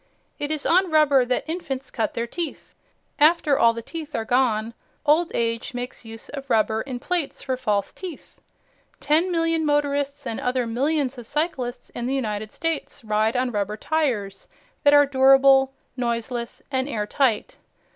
It is on rubber that infants cut their teeth; after all the teeth are gone old age makes use of rubber in plates for false teeth. Ten million motorists and other millions of cyclists in the United States ride on rubber tires that are durable, noiseless and airtight.